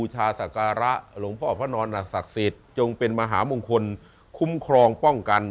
หลวงพ่อพระนอนสักศิษย์จงเป็นมหามงคลคุ้มครองป้องกัน